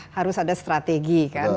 harus ada strategi kan